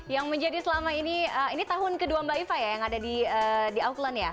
yang menjadi selama ini ini tahun kedua mbak iva ya yang ada di auckland ya